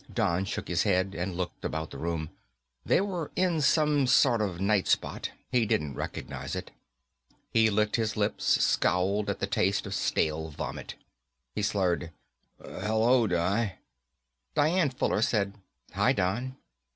Don shook his head, and looked about the room. They were in some sort of night spot. He didn't recognize it. He licked his lips, scowled at the taste of stale vomit. He slurred, "Hello, Di." Dian Fuller said, "Hi, Don."